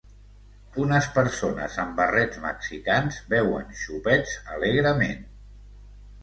Unes persones amb barrets mexicans beuen xopets alegrement.